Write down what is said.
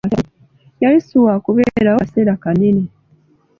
Yali si waakubeerawo kaseera kanene.